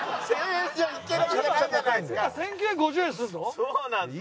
そうなんですよ。